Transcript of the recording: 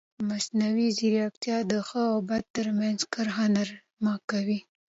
مصنوعي ځیرکتیا د ښه او بد ترمنځ کرښه نرمه کوي.